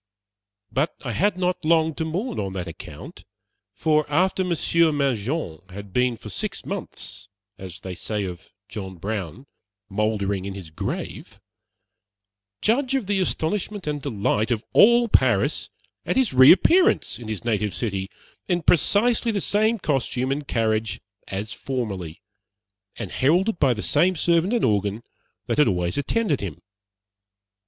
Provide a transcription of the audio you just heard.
But I had not long to mourn on that account; for after Monsieur Mangin had been for six months as they say of John Brown "mouldering in his grave" judge of the astonishment and delight of all Paris at his reappearance in his native city in precisely the same costume and carriage as formerly, and heralded by the same servant and organ that had always attended him.